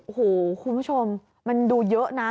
โอ้โหคุณผู้ชมมันดูเยอะนะ